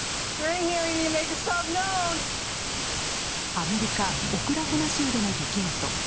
アメリカ・オクラホマ州での出来事。